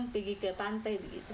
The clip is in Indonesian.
pergi ke pantai